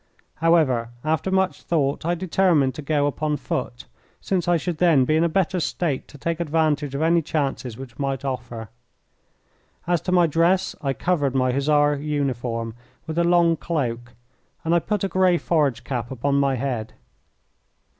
However, after much thought, I determined to go upon foot, since I should then be in a better state to take advantage of any chance which might offer. As to my dress, I covered my Hussar uniform with a long cloak, and I put a grey forage cap upon my head.